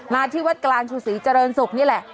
ที่วัดกลางชูศรีเจริญศุกร์นี่แหละ